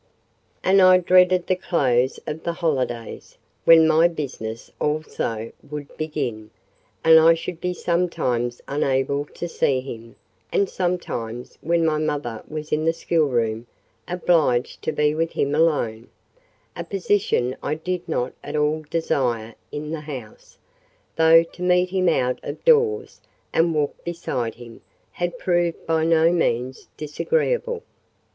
And I dreaded the close of the holidays, when my business also would begin, and I should be sometimes unable to see him, and sometimes—when my mother was in the schoolroom—obliged to be with him alone: a position I did not at all desire, in the house; though to meet him out of doors, and walk beside him, had proved by no means disagreeable.